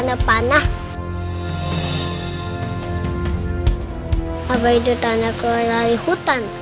apa itu tanah keluar dari hutan